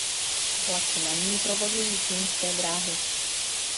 Vlaky na ní provozují Čínské dráhy.